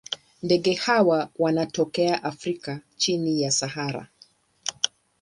Ndege hawa wanatokea Afrika chini ya Sahara.